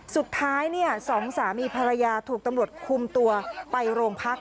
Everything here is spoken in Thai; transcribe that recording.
สุดท้ายสองสามีภรรยาถูกตำรวจคุมตัวไปโรงพัก